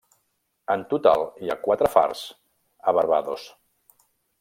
En total, hi ha quatre fars a Barbados.